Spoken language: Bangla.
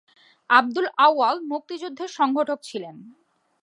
আব্দুল আউয়াল মুক্তিযুদ্ধের সংগঠক ছিলেন।